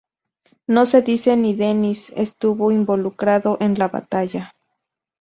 No se dice si Dennis estuvo involucrado en la batalla.